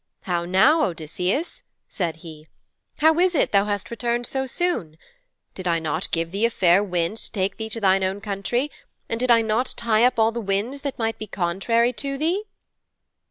"How now, Odysseus?" said he. "How is it thou hast returned so soon? Did I not give thee a fair wind to take thee to thine own country, and did I not tie up all the winds that might be contrary to thee?"'